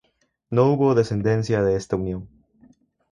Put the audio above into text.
No hubo descendencia de esta unión.